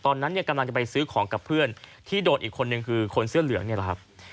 ตอนนั้นเนี่ยกำลังจะไปซื้อของกับเพื่อนที่โดนอีกคนนึงคือคนเสื้อเหลืองนี่แหละครับ